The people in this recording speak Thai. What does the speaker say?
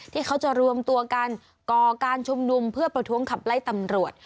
ที่เขาจะรวมตัวกันก่อการชุมนุมเพื่อประท้วงขับไล่ตำรวจ